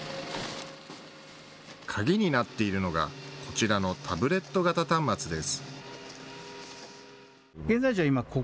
鍵になっているのがこちらのタブレット型端末です。